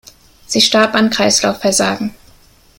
Sie starb an Kreislaufversagen.